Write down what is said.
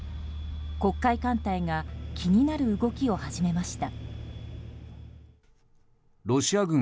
黒海艦隊が気になる動きを始めました。